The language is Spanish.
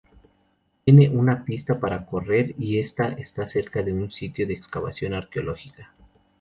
Tiene una pista para correr y está cerca de un sitio de excavación arqueológica.